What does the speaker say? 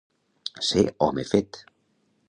Ser home fet.